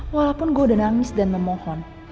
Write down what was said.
walaupun gue udah nangis dan memohon